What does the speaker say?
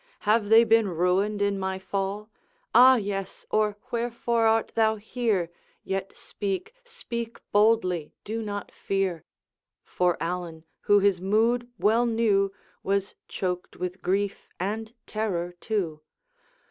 Have they been ruined in my fall? Ah, yes! or wherefore art thou here? Yet speak, speak boldly, do not fear.' For Allan, who his mood well knew, Was choked with grief and terror too.